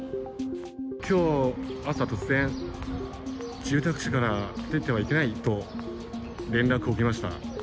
きょう朝、突然、住宅地から出てはいけないと連絡を受けました。